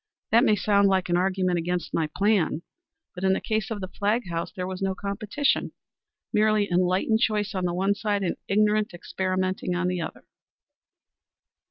That may sound like an argument against my plan, but in the case of the Flagg house there was no competition; merely unenlightened choice on the one side and ignorant experimenting on the other."